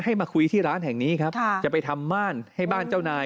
มาคุยที่ร้านแห่งนี้ครับจะไปทำม่านให้บ้านเจ้านาย